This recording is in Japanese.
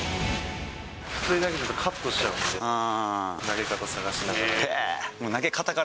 普通に投げるとカットしちゃうんで、投げ方を探しながら。